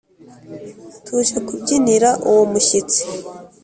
tuje kubyinirira uwo mushyitsi